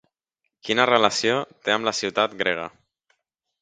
Quina relació té amb la ciutat grega?